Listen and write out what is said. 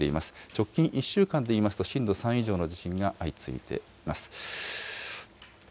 直近１週間でいいますと、震度３以上の地震が相次いでいます。